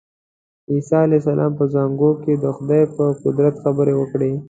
عیسی علیه السلام په زانګو کې د خدای په قدرت خبرې وکړې.